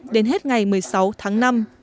đến hết ngày một mươi sáu tháng năm